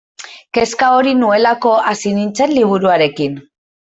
Kezka hori nuelako hasi nintzen liburuarekin.